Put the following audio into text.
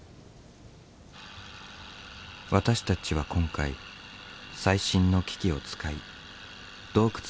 私たちは今回最新の機器を使い洞窟の３Ｄデータを入手。